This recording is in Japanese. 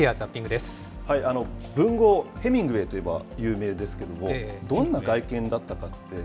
では、文豪、ヘミングウェーといえば有名ですけれども、どんな外見だったかって。